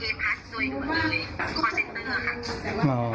ต้องไปดูชื่อแสดงว่ามันไม่ใช่ชื่อของเราอย่างเงี้ยค่ะ